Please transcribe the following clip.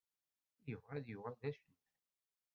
Yebɣa ad yuɣal d acennay.